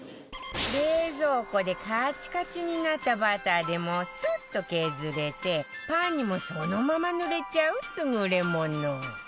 冷蔵庫でカチカチになったバターでもスッと削れてパンにもそのまま塗れちゃう優れもの